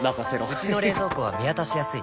うちの冷蔵庫は見渡しやすい